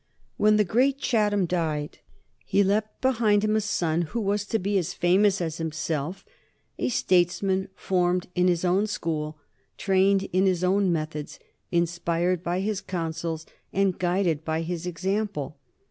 When the great Chatham died he left behind him a son who was to be as famous as himself, a statesman formed in his own school, trained in his own methods, inspired by his counsels, and guided by his example.